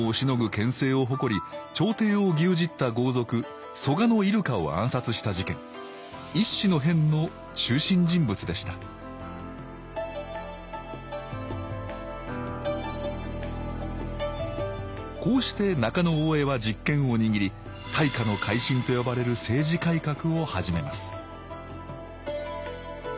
権勢を誇り朝廷を牛耳った豪族蘇我入鹿を暗殺した事件乙巳の変の中心人物でしたこうして中大兄は実権を握り大化の改新と呼ばれる政治改革を始めます